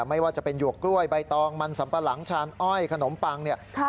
ไม่ว่าจะเป็นหยวกกล้วยใบตองมันสัมปะหลังชานอ้อยขนมปังเนี่ย